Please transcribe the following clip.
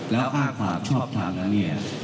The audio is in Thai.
แล้วอ้างความชอบทำแล้วเนี่ย